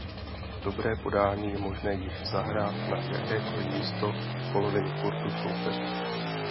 Dobré podání je možné již zahrát na jakékoli místo poloviny kurtu soupeře.